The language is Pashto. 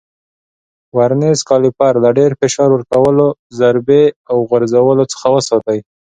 ورنیز کالیپر له ډېر فشار ورکولو، ضربې او غورځولو څخه وساتئ.